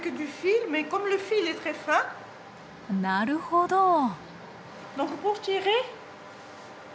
なるほど。